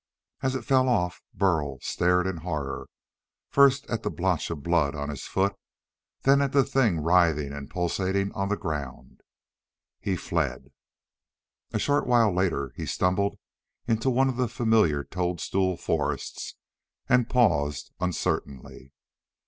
As it fell off Burl stared in horror, first at the blotch of blood on his foot, then at the thing writhing and pulsating on the ground. He fled. A short while later he stumbled into one of the familiar toadstool forests and paused, uncertainly.